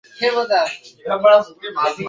তিনি আবার অসুস্থ হয়ে পড়েন।